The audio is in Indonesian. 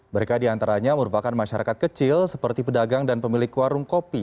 mereka diantaranya merupakan masyarakat kecil seperti pedagang dan pemilik warung kopi